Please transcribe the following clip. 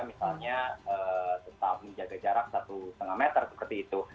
misalnya tetap menjaga jarak satu lima meter seperti itu